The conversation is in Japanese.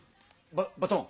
ババトン。